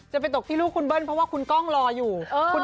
จะไปตกที่ลูกคุณเบิ้ลเพราะว่าคุณกล้องรออยู่